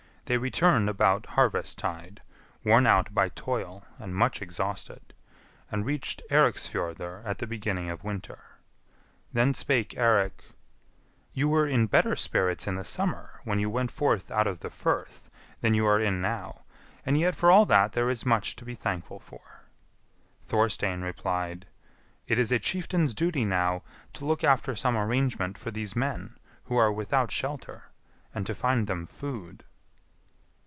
They returned about harvest tide, worn out by toil and much exhausted, and reached Eiriksfjordr at the beginning of winter. Then spake Eirik, "You were in better spirits in the summer, when you went forth out of the firth, than you are in now, and yet for all that there is much to be thankful for." Thorstein replied, "It is a chieftain's duty now to look after some arrangement for these men who are without shelter, and to find them food."